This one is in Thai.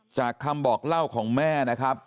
จากคำบอกเล่าของแม่นะครับ